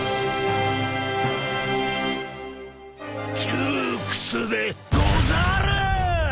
窮屈でござる！